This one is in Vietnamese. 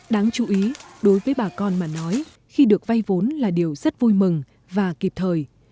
đáng chú ý đối với bà con mà nói khi được vay vốn là điều rất vui mừng và kịp thời